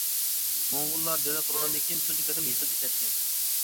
موڭغۇللار دۆلەت قۇرغاندىن كېيىن تۇنجى قېتىم يېزىق ئىشلەتكەن.